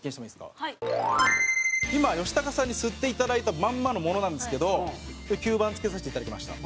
松橋：今、吉高さんに吸っていただいたまんまのものなんですけど吸盤つけさせていただきました。